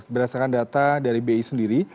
berdasarkan data dari bi sendiri